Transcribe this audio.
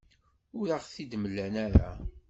Ur aɣ-t-id-mlan ara.